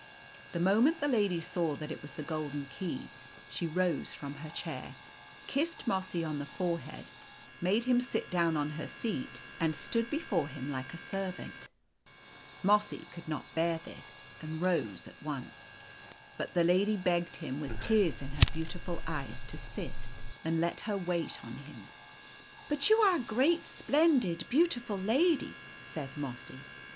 The moment the lady saw that it was the golden key, she rose from her 190 The Golden Key chair, kissed Mossy on the forehead, made him sit down on her seat, and stood before him like a servant. Mossy could not bear this, and rose at once. But the lady begged him, with tears in her beautiful eyes, to sit, and let her \vait on him. " But you are a great, splendid, beautiful lady," said Mossy.